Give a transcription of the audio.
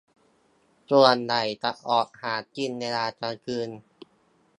ส่วนใหญ่จะออกหากินเวลากลางคืน